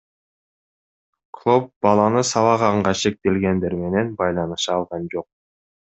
Клооп баланы сабаганга шектелгендер менен байланыша алган жок.